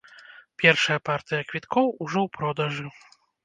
Першая партыя квіткоў ужо ў продажы.